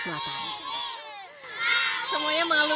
semuanya mengalukan nama habibi